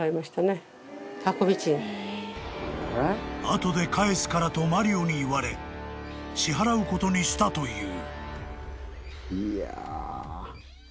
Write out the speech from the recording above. ［「後で返すから」とマリオに言われ支払うことにしたという］